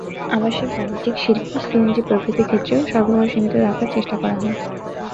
আবাসিক, বাণিজ্যিক, শিল্প, সিএনজি প্রভৃতি ক্ষেত্রেও সরবরাহ সীমিত রাখার চেষ্টা করা হয়।